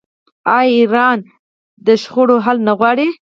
آیا ایران د شخړو حل نه غواړي؟